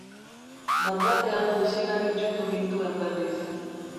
Bat-batean desirak itsutu gintuen berriz.